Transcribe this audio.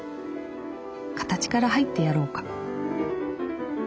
形から入ってやろうか」。